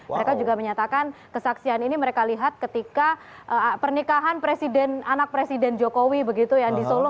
mereka juga menyatakan kesaksian ini mereka lihat ketika pernikahan anak presiden jokowi begitu yang di solo